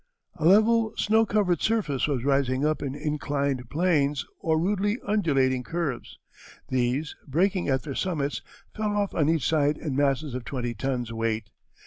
"A level snow covered surface was rising up in inclined planes or rudely undulating curves. These, breaking at their summits, fell off on each side in masses of twenty tons' weight.